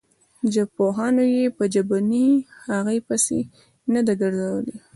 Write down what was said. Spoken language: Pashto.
ژبپوهانو یې په ژبنۍ هغې پسې نه ده ګرځولې.